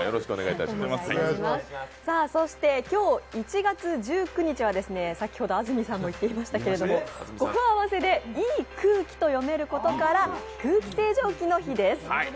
今日１月１９日は、先ほど安住さんも言っていましたけれども、語呂合わせでいい空気と読めることから空気清浄機の日です。